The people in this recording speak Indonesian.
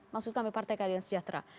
maksud kami partai keadilan sejahtera